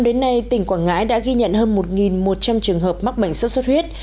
từ đầu năm đến nay tỉnh quảng ngãi đã ghi nhận hơn một một trăm linh trường hợp mắc bệnh sốt xuất huyết